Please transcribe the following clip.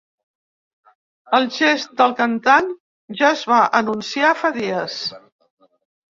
El gest del cantant ja es va anunciar fa dies.